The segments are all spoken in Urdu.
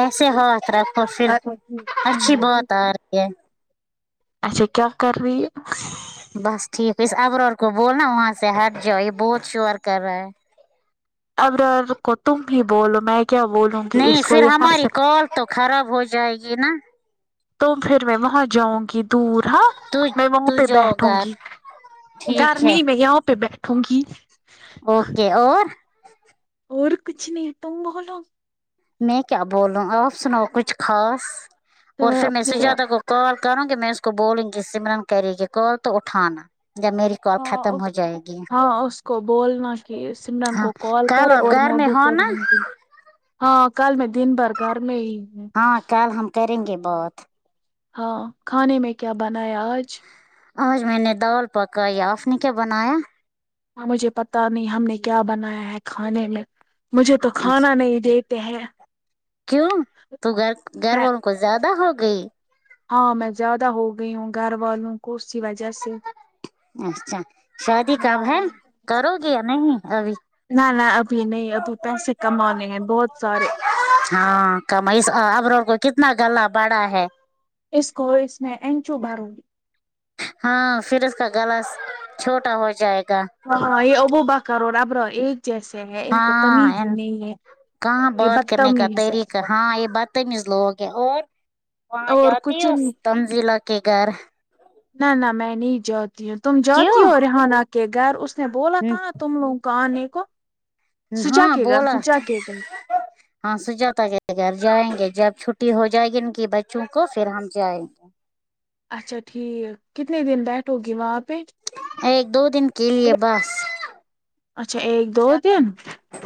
ایسے ہاتھ رکھو پھر اچھی بات ہے اچھا کیا کر رہی ہے بس ٹھیک ہے اس ابرار کو بولنا وہاں سے ہٹ جائیں بہت شور کر رہا ہے ابرار کو تم بھی بولو میں کیا بولوں گی نہیں اس کو پھر یہ ہنس ہماری سکتی کال تو خراب ہو جائے گی نا تو پھر میں وہاں جاؤنگی دور ہاں تو میں وہاں تو پہ جاؤ بیٹھ گھر ہونگی ٹھیک ہے گرمی میں یہاں پہ بیٹھ ٹھو گی اوکے اور اور کچھ نہیں تم بولو میں کیا بولوں اور سناو کچھ خاص تو اور میں پھر میسے اپنی زیادہ کو کال کرونگی میں اس کو بولونگی سمرن کرے گی کال تو اٹھانا جب میری کال ختم ہاں ہو جائے گی ہاں اس کو بولنا کہ سمرن ہاں کو کال کل کرے آپ اور گھر میں بھی ہو نا کرونگی ہاں کل میں دن بھر گھر میں ہی ہو ہاں کل ہم کرینگے بات ہاں کھانے میں کیا بنایا آج آج میں نے دال پکائی اپ نے کیا بنایا ہاں مجھے پتا نہیں ہم نے کیا بنایا ہے کھانے میں مجھے تو اچھا کھانا نہیں دیکھ تے ہے کیوں تو گھر گھر میں والوں کو زیادہ ہو گئی ہاں میں زیادہ ہو گئی ہوں گھر والوں کو اسی وجہ سے اچھا شادی کب ہے نہ کرو گے یا نہیں ابھی نہ نہ ابھی نہیں ابھی پیسے کمانے ہیں بہت سارے ہاں کماس ابرار کو کتنا گلا بڑا ہے اس کو اس نے اینچو بارو لی ہاں پھر اس کا گلا چھوٹا ہو جائے گا ہاں ہاں یہ ابو بکر اور ابرار ایک جیسے ہے ان کو ہاں تمیز ہی ان- نہیں ہے کہاں یہ بات کرنے کا بدتمیز طریقہ ہے ہاں یہ بدتمیز لوگ ہیں اور وہاں اور جاتی کچھ ہو تنزیلا کے گھر نہ نہ میں نہیں جاتی ہوں تم جاتی ہو کیوں ریحانہ کے گھر اس نے بولا تھا نا تم لوگ کھانے کو سوچا ہاں کے گھر بولا سوچا کے گھر [inaudible] ہاں سجاتا کے گھر جائیں گے جب چھٹی ہو جائے گی ان کی بچوں کو پھر ہم جائیں گے اچھا ٹھیک کتنے دن بیٹھو گی وہاں پہ ایک دو دن کے لیئے بس اچھا ایک دو دن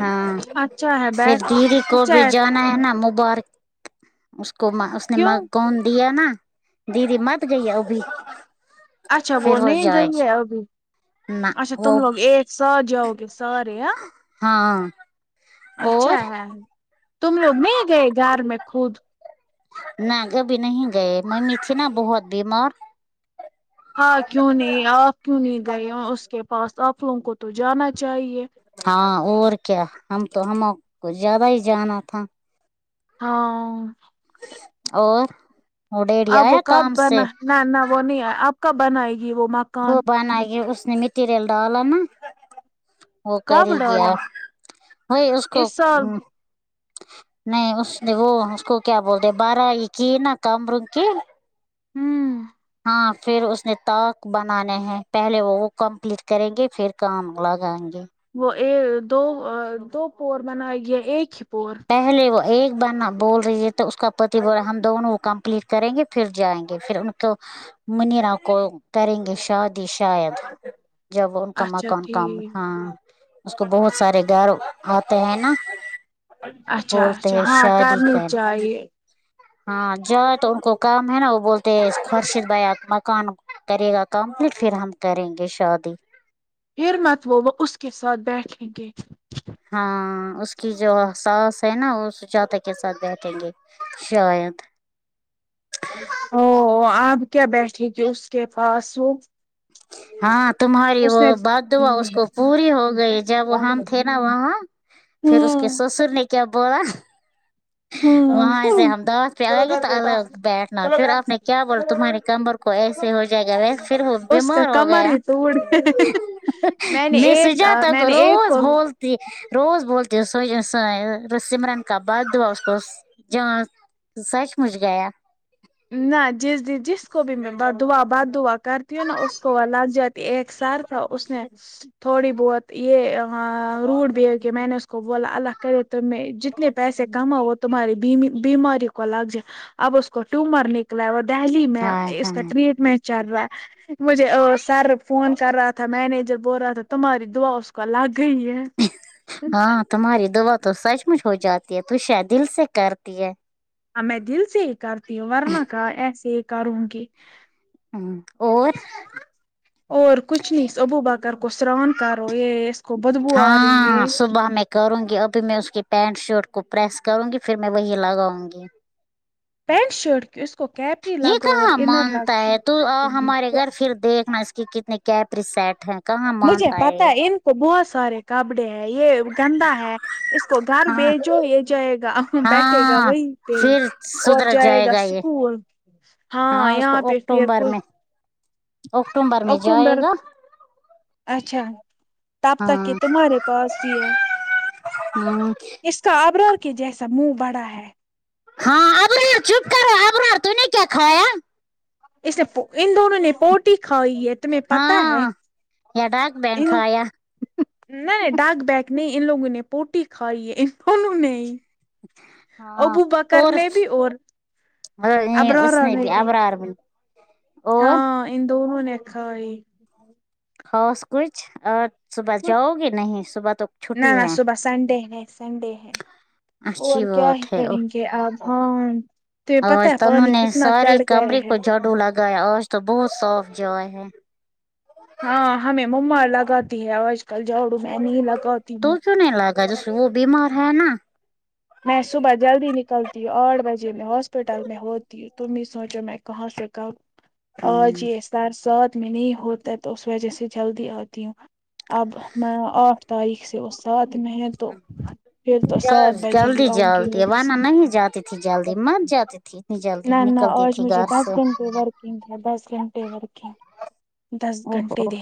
ہاں اچھا ہے پھر بیٹ دیدی کو اچھا بھی جانا ہے نا مبارک اس کو اس نے م کیوں کون دیا نا دیدی مت گئی ا بھی اچھا وہ نہیں گئی ہے ابھی نہ اچھا وہ تم لوگ ایک ساتھ جاؤگے سارے ہاں ہاں اور اچھا ہے تم لوگ نہیں گئے گھر میں خود نہ گبھی نہیں گئے ممیمی تھی نا بہت بیمار ہاں کیوں نہیں آپ کیوں نہیں گئے اس کے پاس آپ لوگوں کو تو جانا چاہیے ہاں اور کیا ہم تو ہمو کوچھ زیادہ ہی جانا تھا ہاں اور وہ اب وہ ڈیڑیایا کام کب سے بنا نہ نہ وہ نہیں آپ کب بنائے گی وہ م وہ بنا کے اس نے مٹیریل ڈالا نا وہ کب کرے گیا ڈالا وہائی اس کو نہیں اس نے وہ اس کو کیا بولتے بارہ کی نا کم رگ کی ہمم ہاں پھر اس نے تاق بنانے ہیں پہلے وہ وہ کمپلیٹ کریں گے پھر کام لگائیں گے وہ ا دو دو پور بنائی گیا ایک ہی پور پہلے وہ ایک بار نہ بول رہی ہے تو اس کا پتی بول ہم دونوں وہ کمپلیٹ کریں گے پھر جائیں گے پھر ان تو منیرا کو کریں گے شادی شاید جب ان کا اچھا مکان ان کا ٹھیک ہاں اس کو بہت سارے گھر آتے ہیں نا اچھا بولتے اچھا ہیں ہاں شادی کرنی کر چاہیے ہاں جا تو ان کو کام ہے نا وہ بولتے خرشد بیا مکان کرے گا کمپلیٹ پھر ہم کریں گے شادی پھر مت وہ وہ اس کے ساتھ بیٹھیں گے ہاں اس کی جو حساس ہے نا وہ سجات تک کے ساتھ بیٹھیں گے شاید او آپ کیا بیٹھے گی اس کے پاس وہ ہاں تمہاری اس وہ نے بادعا اس کو پوری ہو گئی جب ہم تھے نا وہاں پھر اس کے ہوں سسر نے کیا بولا ہوں وہاں سے ہم دانت پہ آئے گئے تو الگ بیٹھنا پھر آپ نے کیا بولا تمہارے کمبر کو کو ایسے ہو جائے گا ویس پھر ہو اس کا بیمار ہو کمر گیا ہی توڑ نے میں ایک سجا تھا میں نے ایک روز کو بولتا روز بولتی سو جا سی سمرن کا بد دا اس کو ج سچ مچ گیا نہ جس جس کو بھی میں دعا بد دعا کرتی ہوں نا اس کو وہ لگ جاتی ایک سر ہا اس اس نے تھوڑی بہت یہ ہےروڈ بیہیو کی میں نے اس کو بولا اللہ کرے تم جت اتنے پیسے کما وہ تمہاری بیماری کو لگ جائے اب اس کو ٹومر نکلا ہے وہ دہلی میں ہاں اس ہاں کا ٹریٹ میچ چل رہا ہے مجھے سر فون کر رہا تھا مینیجر بول رہا تھا تمہاری دعا اس کا الگ ہی ہے ہاں تمہاری دعا تو سچ مچ ہو جاتی ہے تو شاید دل سے کرتی ہے ہ میں دل سے ہی کرتی ہوں ورنہ کا ایسے ہی کروں گی ج اور اور کچنی ابو بکر کو سران کرو یہس ہاں صبح میں کروں گی ابھی میں اس کی پینٹ شرٹ کو پریس کروں گی پھر میں وہی لگاؤں گی پینٹ شرٹ کی اس کو کیپری یہ لگو اور کہاں انر مانتا لگو ہے تو ہمارے گھر پھر دیکھنا اس کی کتنے کیا پریسٹ ہے مجھے پتا یہ ہے ان کو بہت سارے کپڑے ہے یہ گندا ہے اس کو گھر ہاں بھیجو یہ جائے گا بیٹھے گا ہاں وہیں پہ پھر اور سدھر جائے گا یہ اسکول ہاں یہاں پہ [unintelligible] اکتوم بر میں جائے اکتوبر گا اچھا تب تک کہ ہاں تمہارے پاس یہ ہے ہ اس کا آبرار کے جیسا منہ بڑا ہے ہاں ابرار چپ کر رہے ابرار تو نے کیا کھایا اس نے ان دونوں نے پوٹی کھائی ہے تمہیں پتا ہے ہاں یا ڈاک بین ان کہہ یا نہیں ڈاک بگ نہیں ان لوگوں نے پوٹی کھائی ہے ان دونوں نے ہاں ابو بکر نے بھی اور نہیں اس نے بھی ابرار اور ہاں ان دونو نے کھا یی ہووس کچھ اور صبح جاؤ گے نہیں صبح تو نہ چھٹی نہ ہے صبح سنڈے ہے سنڈے ہے اور اچھی کیا ہی بات کریں گے آپ ہاں تمہیں اور پتہ ہے انہوں پانی نے کتنا سارے چڑھ گیا کمرے ہے کو جڑو لگایا اور تو بہت صاف جوائے ہے ہاں ہمیں مما لگاتی ہے آج کل جاڑو میں نہیں لگاتی ہوں تو نے لگا جسو وہ بیمار ہے نا میں صبح جلدی نکلتی ہوں آٹھ بجے میں ہاسپٹل میں ہوتی ہ تم ہی سوچو میں کہاں سےکا ہ آجے سر ساتھ میں نہیں ہوتا تو اس وجہ سے جلدی آتی ہوں اب نا آٹھ تاریخ سے اس سات میں تو پھر تو سات بجے ہی جلدی آؤں جلتی ہے گی سے۔ ونہ نہیں جاتی تھی جلدی مر جاتی تھی اتنی جلدی نہ نہ نکلتی آج تھی مجھے گھر دس سے گھنٹے ورکنگ دس گھنٹے ورکنگ دس او گھنٹے ہو دے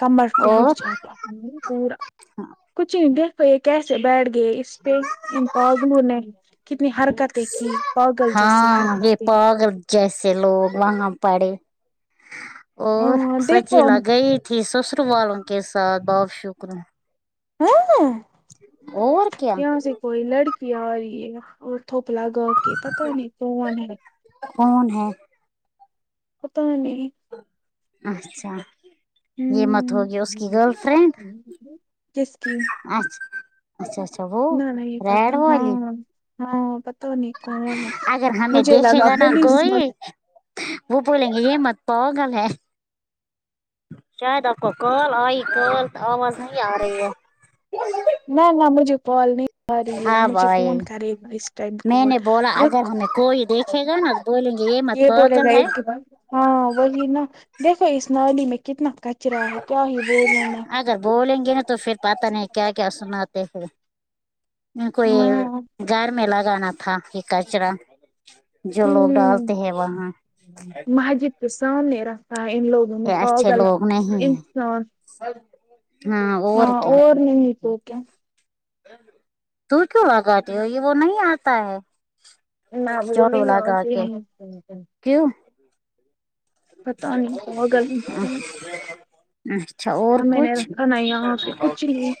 کمر ٹوٹ اور جا تا پورا کچ د [unintelligible] کیسے بیٹھ گ گ اس پہ ان پاگلوں نے کتنی حرکتیں کی پاگل جیسی ہاں یہ حرکتیں پاگل جیسے لوگ وہاں پڑے اور ہاں سچی دیکھو لگئی تھی سسر والوں کے ساتھ بہت شکرون ہ اور کیا یہاں سے کوئی لڑکی آ رہی ہے اور تھوپ لا گا کے پتا نہیں کون ہے کون ہے پاتا نہیں اچھا یہ مت ہ ہوگی اس کی گرل فرینڈ کس کی اچھ اچھا اچھا وہ نہ نہیں ریڈ پتہ والی ہاں ہاں پتا نہیں کون ہے اگر ہمیں مجھے دیکھے لگا گا نہا پولیس نہ کوئی وہ بولیں گے یہ مت پاگل ہے شاید آپ کو کال آئی کال تو آواز نہیں آ رہی ہے نہ نہ مجھے کال نہیں آ رہی ہے ہاں مجھے بھائی کون کرے گا اس ٹائم میں کال نے بولا اگر د ہمیں کوئی دیکھے گا نا بولیں گے مت یہ بولے گا پاگل ہے عیک کے بعد ہاں وہی نا دیکھو اس نالی میں کتنا کچرا ہے کیا ہی بولے نا ا بولیں گے نا تو پھر پتہ نہیں کیا کیا سناتے ہیںھر میں کو ہاں یہ گھر میں لگانا تھا یہ کچرا جو لوگ ہوں ڈالتے ہیں وہاں مسجد کے سامنے رکھتا ہے ان لوگوں نے یہ اچھے پاگل لوگ نہیں ہیں انسان ہاں اور کیاا اور نہیں تو کیا تو کیوں بگای ہو یہ وہ نہیں آتا ہے نہ وہ جھاڑو نہیں لگا آتی کے ہے کیوں پتا نہیں پاگل انسان اچھا اور اب میں نے کچھ رکھا نا یہاں پہ کچھ نہیں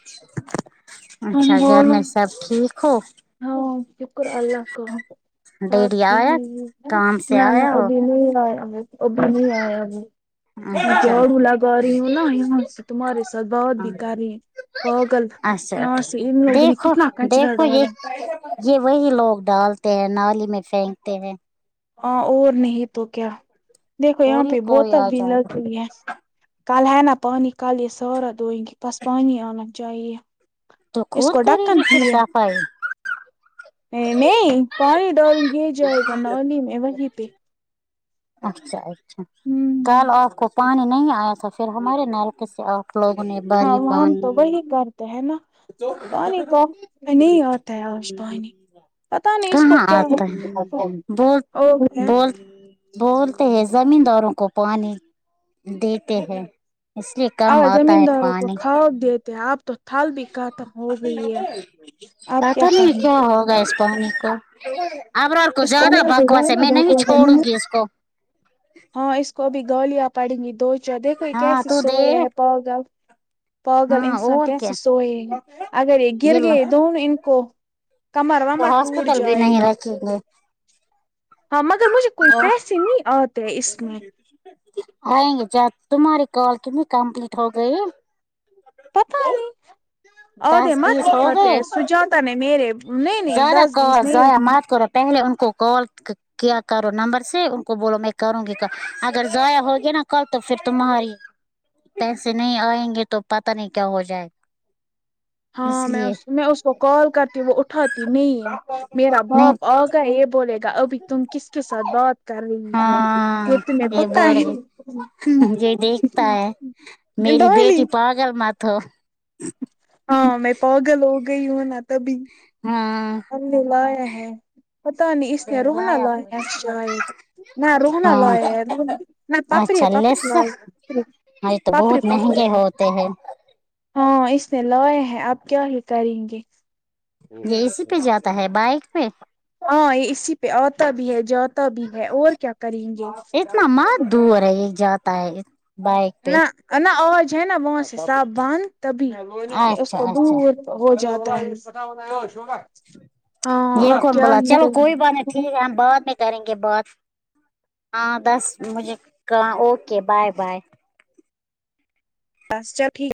تم اچھا گھر بولو میں سب ٹھیک ہو ہاں شکر اللہ کا ہ ڈیری آیا کام سے نہ نہ آیا ہو ابھی نہیں آیا ابھی نہیں آیا ہے میں اچھا جارڑو لگا رہی ہوں نا یہاں سے تمہارے ساتھ بات بھی کر رہی پاگال اچھا یہاں سے ان ٹھیک لوگوں نے دیکھو کتنا کاچرا دیکھو یہ ڈالا ہے یہ وہی لوگ ڈالتے ہیں نالی میں پھینکتے ہیں ہاں اور نہیں تو کیا دیکھو یہاں تھوڑی پہ کوئی بہت آ ابیل جائے لگ گا گئی ہے کل ہی نہ پانی کالل یہ سارھا دو بس پانی آوننا چاہی یہ [unintelligible] تو خود کرے گی پھر صفائی نہیں نہیں پانی ڈال دیا جائے گا نوی میں وہیں پہ اچھا اچھا کل ہوں آپ کو پانی نہیں آیا تھا پھر ہمارے نلکے سے آ لوگوں نے بھاری پانی ہے نا پانی کاف [unintelligible] میں نہیں آتا ہے آج پانی پتا نہیں اس کو کہاں کیا آتا ہے بول ہوگیا بول بولتے ہیں زمین داروں کو پانی دیتے ہیں اس لیے کام آتا ہے پانی دے تھے آپ تو تھال آپ پتا نہیں کرنی کیا ہوگا اس پانی کو ابرار کو اس زیادہ بکواس ہے میں نہیں کو چھوڑوں گی اس کو ہاں اس کو ابھی گالیاں پڑیں گی دو چار دیکھو یہ ہاں کیسے تو دے سوئے ہے پاگل پاگل ہاں انسان اور کیا کیسے سوئے اگر یہ گر گئے تو انکو کمر ومر ٹوٹ ہاسپٹل بھی جائے گا [unintelligible] ہاں مگر مجھے کوئی اور پیسے نہیں آتے ہیں اس میں آئیں گے ج تمہاری کال کی بھی کمپلیٹ ہو گئی [unintelligible] پتا نہیں ادے دس مت بیس اٹتے سجانتا نے میرے [unintelligible] ذرا دس کا بیس نہیں ذرا مات کرو پہلے ان کو کال کیا کرو نمبر سے ان کو بولو میں کروں گی اگر ضائع ہوگیا نا کل تو پھر تمہاری پیسے نہیں آئیں گے تو پتہ نہیں کیا ہو جائے ہاں اس میں لیے میں اس کو کال کرتی ہوں وہ اٹھاتی نہیں میرا باپ نہیں آگا یہ بولے گا ابھی تم کس کے ساتھ بات ہاں کرت میں یہ بت بول رہی یہ دیکھتا ہے [unintelligible] میری بیٹی پاگل مت ہو ہاں میں پاگل ہو گئی ہوں نا تبھی ہاں ہم نے لایا ہے پتہ نہیں اس نے روہنا لایا ہے شاید [unintelligible] نہ روہنا ہاں لئے نہ پاپڑی ہے پاپڑی ل پپ [unintelligible] اائی تو بہت مہنگے ہوتے ہیں ہاں اس نے لائے ہے اب کیا ہی کریں گے یہ اسی پہ جاتا ہے بائک پہ ہاں یہ اسی پہ آتا بھی ہے جاتا بھی ہے اور کیا کریں گے اتنا م دور ہے یہ جاتا ہے بائک پہ نہ ن آج ہے نہ بس سب بند تبھی اس اچھا کو اچھا دور ہو جاتا ہے یہ ہاں اب کو کیا بلا ہی چلو کریں کوئی بات نہیں ٹھیک ہے ہم بعد میں کریں گے بات ہاں دس مجھے کہ اوکے بیے بیے بس چل ٹھیک ہے